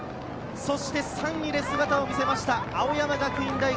３位で姿を見せました、青山学院大学。